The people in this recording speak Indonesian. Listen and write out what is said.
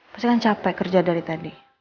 pasti kan capek kerja dari tadi